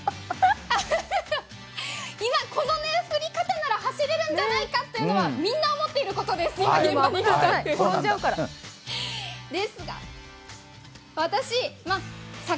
今、この降り方なら走れるんじゃないかというのはみんな思っていることです、現場にいるスタッフ。